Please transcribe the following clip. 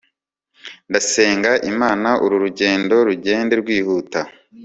ndasenga imana uru rugendo rugende rwihuta